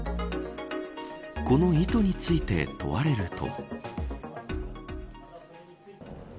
この意図について問われると。